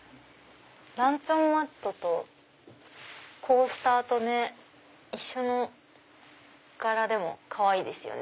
ランチョンマットとコースターと一緒の柄でもかわいいですよね。